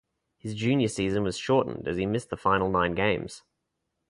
His junior season was shortened as he missed the final nine games.